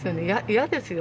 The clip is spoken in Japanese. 嫌ですよ